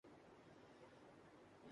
لیکن اگر ایسا واقعی ہوا ہے۔